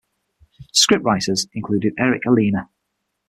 Scriptwriters included Eric Ellena.